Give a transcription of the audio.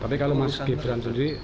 tapi kalau mas gibran sendiri